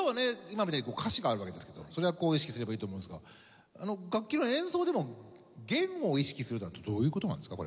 今みたいに歌詞があるわけですけどそれはこう意識すればいいと思いますが楽器の演奏でも言語を意識するっていうのはどういう事なんですか？